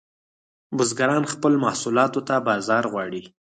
بزګران خپلو محصولاتو ته بازار غواړي